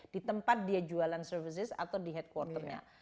di tempat dia jualan services atau di headquarternya